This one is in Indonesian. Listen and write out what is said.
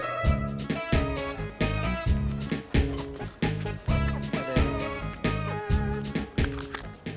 masa di rumah